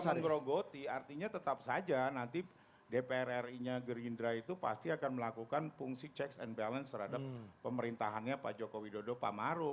jangan grogoti artinya tetap saja nanti dpr ri nya gerindra itu pasti akan melakukan fungsi checks and balance terhadap pemerintahannya pak jokowi dodo pamaru